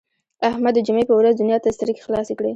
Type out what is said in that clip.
احمد د جمعې په ورځ دنیا ته سترګې خلاصې کړې.